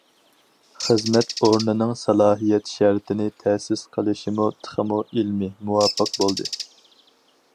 خىزمەت ئورنىنىڭ سالاھىيەت شەرتىنى تەسىس قىلىشمۇ تېخىمۇ ئىلمىي، مۇۋاپىق بولدى.